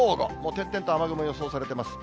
点々と雨雲予想されています。